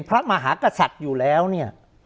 พระมหากษัตริย์อยู่แล้วเนี่ย